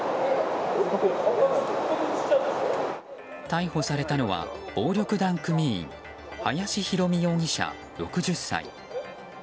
逮捕されたのは暴力団組員林弘美容疑者、６０歳。